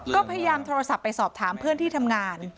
ก็พยายามโทรศัพท์ไปสอบถามเพื่อนที่ทำงาน